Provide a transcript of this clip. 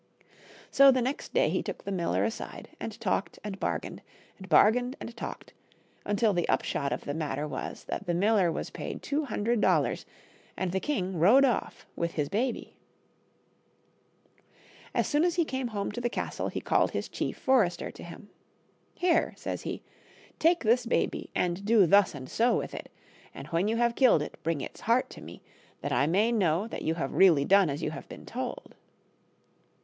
So the next day he took the miller aside and talked and bargained, and bargained and talked, until the upshot of the matter was that the miller was paid two hundred dollars, and the king rode off with the baby. As soon as he came home to the castle he called his chief forester to him. " Here," says he, " take this baby and do thus and so with it, and when you have killed it bring its heart to me, that I may know that you have really done as you have been told."